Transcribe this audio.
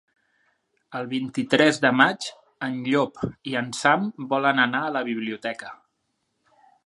El vint-i-tres de maig en Llop i en Sam volen anar a la biblioteca.